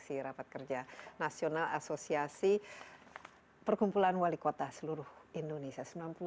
di rapat kerja nasional asosiasi perkumpulan wali kota seluruh indonesia